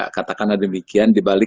katakanlah demikian dibalik